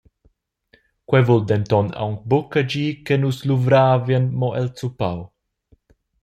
Quei vul denton aunc buca gir che nus luvravien mo el zuppau.